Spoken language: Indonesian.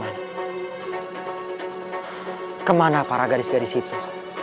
paman kemana para gadis gadis itu